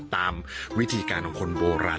ตามวิธีการของคนโบราณ